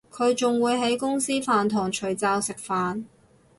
佢仲會喺公司飯堂除罩食飯